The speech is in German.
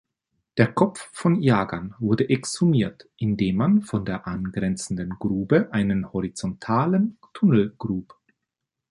Der Kopf von Yagan wurde exhumiert, indem man von der angrenzenden Grube einen horizontalen Tunnel grub.